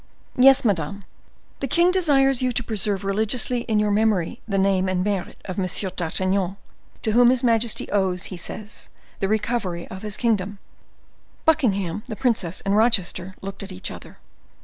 "Yes, madam, the king desires you to preserve religiously in your memory the name and merit of M. d'Artagnan, to whom his majesty owes, he says, the recovery of his kingdom." Buckingham, the princess, and Rochester looked at each other.